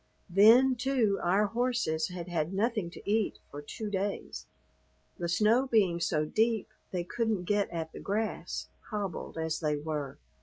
Then, too, our horses had had nothing to eat for two days, the snow being so deep they couldn't get at the grass, hobbled as they were.